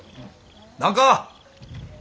何か。